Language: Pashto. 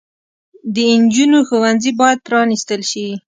د انجونو ښوونځي بايد پرانستل شي